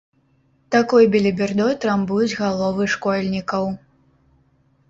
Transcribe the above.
Такой белібердой трамбуюць галовы школьнікаў.